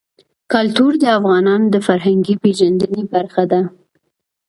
کلتور د افغانانو د فرهنګي پیژندنې برخه ده.